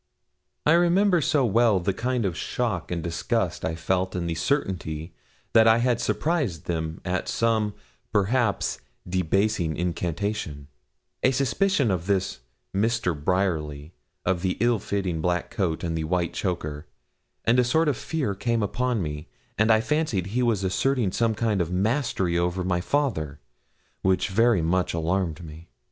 I remember so well the kind of shock and disgust I felt in the certainty that I had surprised them at some, perhaps, debasing incantation a suspicion of this Mr. Bryerly, of the ill fitting black coat, and white choker and a sort of fear came upon me, and I fancied he was asserting some kind of mastery over my father, which very much alarmed me.